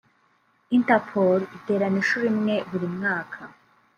Interpol iterana inshuro imwe buri mwaka